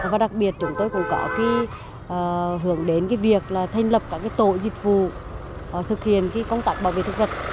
và đặc biệt chúng tôi cũng có hướng đến việc thành lập các tổ dịch vụ thực hiện công tác bảo vệ thực vật